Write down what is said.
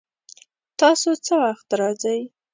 تاسو څه وخت راځئ؟